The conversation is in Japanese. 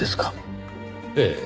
ええ。